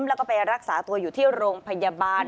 แล้วก็ไปรักษาตัวอยู่ที่โรงพยาบาล